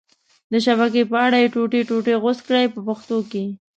د شبکې په اره یې ټوټې ټوټې غوڅ کړئ په پښتو کې.